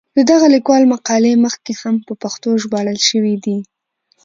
د دغه لیکوال مقالې مخکې هم په پښتو ژباړل شوې دي.